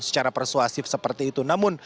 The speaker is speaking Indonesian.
secara persuasif seperti itu namun